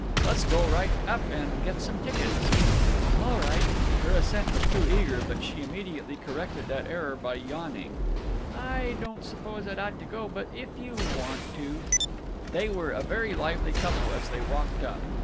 "Let's go right up and get some tickets." "All right." Her assent was too eager, but she immediately corrected that error by yawning, "I don't suppose I'd ought to go, but if you want to—" They were a very lively couple as they walked up.